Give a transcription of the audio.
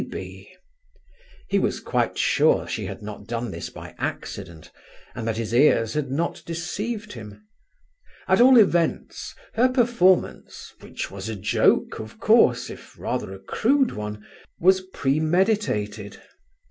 P. B. He was quite sure she had not done this by accident, and that his ears had not deceived him. At all events her performance—which was a joke, of course, if rather a crude one,—was premeditated.